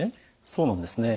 そうなんですね。